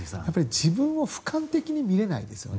自分を俯瞰的に見れないですよね。